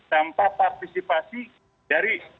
tanpa partisipasi dari